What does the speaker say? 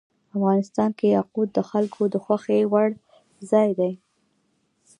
افغانستان کې یاقوت د خلکو د خوښې وړ ځای دی.